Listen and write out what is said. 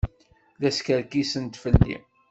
La skerkisent fell-i.